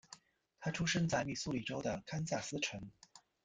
他出生在密苏里州的堪萨斯城。